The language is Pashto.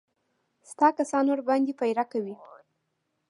ستا کسان ورباندې پيره کوي.